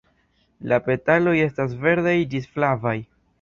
La petaloj estas verdaj ĝis flavaj.